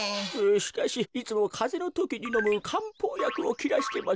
しかしいつもかぜのときにのむかんぽうやくをきらしてまして。